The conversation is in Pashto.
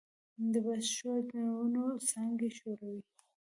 د باد شور د ونو څانګې ښوروي.